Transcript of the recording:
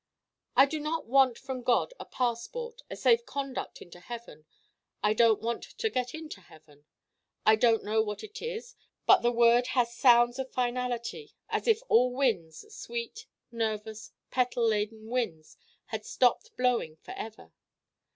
I do not want from God a passport, a safe conduct into heaven. I don't want to get into heaven. I don't know what it is, but the word has sounds of finality, as if all winds, sweet nervous petal laden winds, had stopped blowing forever.